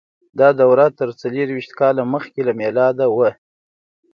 دا دوره تر څلور ویشت کاله مخکې له میلاده وه.